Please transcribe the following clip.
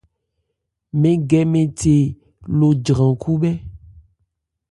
Mɛn gɛ mɛn the no jran khúbhɛ́.